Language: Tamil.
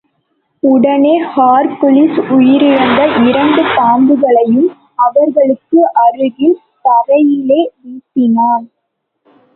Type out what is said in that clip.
உடனே ஹெர்குலிஸ் உயிரிழந்த இரண்டு பாம்புகளையும் அவர்களுக்கு அருகில் தரையிலே வீசினான்.